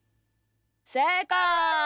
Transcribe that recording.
せいかい！